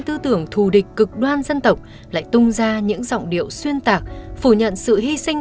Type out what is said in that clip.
tư tưởng thù địch cực đoan dân tộc lại tung ra những giọng điệu xuyên tạc phủ nhận sự hy sinh